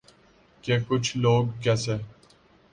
کہ ’کچھ لوگ کیسے